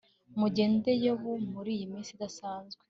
Mu ndege yabo muriyi minsi idasanzwe